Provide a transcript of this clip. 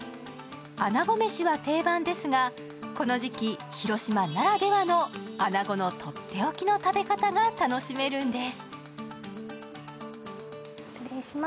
穴子めしは定番ですが、この時期、広島ならではの穴子のとっておきの食べ方が楽しめるんです。